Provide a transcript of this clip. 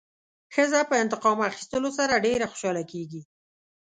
ښځه په انتقام اخیستلو سره ډېره خوشحاله کېږي.